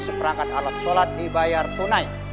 seperangkat alam sholat di bayar tunai